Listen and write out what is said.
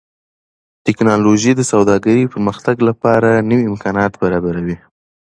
ټکنالوژي د سوداګرۍ پرمختګ لپاره نوي امکانات برابروي.